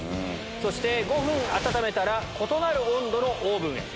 そして５分温めたら異なる温度のオーブンへ。